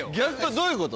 どういうこと？